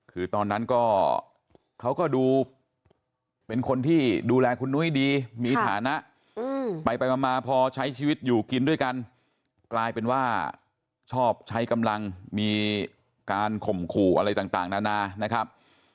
คือตอนนั้นก็เขาก็ดูเป็นคนที่ดูแลคุณนุ้ยดีมีฐานะไปมาพอใช้ชีวิตอยู่กินด้วยกันกลายเป็นว่าชอบใช้กำลังมีการข่มขู่อะไรต่างนานานะครับ